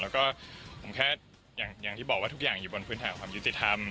แล้วก็ผมแค่อย่างที่บอกว่าทุกอย่างอยู่บนพื้นฐานของความยุติธรรม